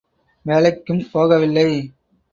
வேலைக்கும் போக வில்லை.